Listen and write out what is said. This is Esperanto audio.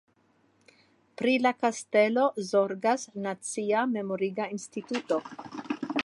Pri la kastelo zorgas Nacia memoriga instituto.